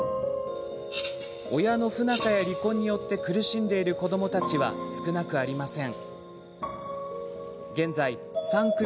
親の不仲や離婚によって苦しんでいる子どもたちは少なくありません。